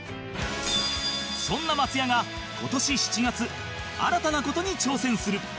そんな松也が今年７月新たな事に挑戦する